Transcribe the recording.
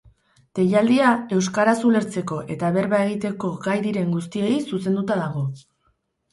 Deialdia euskaraz ulertzeko eta berba egiteko gai diren guztiei zuzenduta dago.